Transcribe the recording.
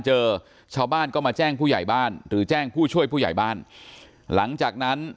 เจอชาวบ้านก็มาแจ้งผู้ใหญ่บ้านหรือแจ้งผู้ช่วยผู้ใหญ่บ้านหลังจากนั้น